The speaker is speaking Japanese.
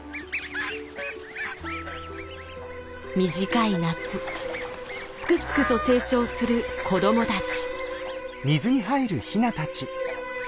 短い夏すくすくと成長する子どもたち。